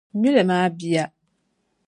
Nyuli maa biya.